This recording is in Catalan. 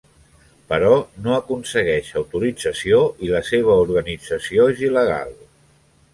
Però no aconsegueix autorització i la seva organització és il·legal.